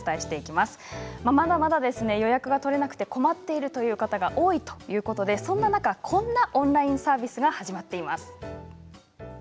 まだまだ予約が取れなくて困っているという方が多いということでそんな中こんなオンラインサービスが始まっています。